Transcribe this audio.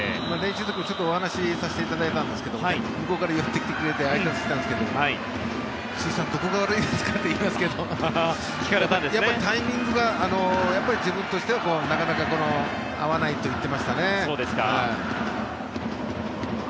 お話させていただいたんですが向こうから寄ってきてくれてあいさつしたんですが辻さんどこが悪いですか？って聞かれましたがタイミングが自分としてはなかなか合わないと言ってましたね。